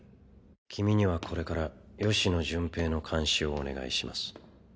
君にはこれから吉野順平の監視をお願いします。